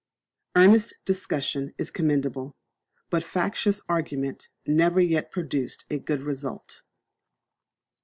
Earnest discussion is commendable; but factious argument never yet produced a good result.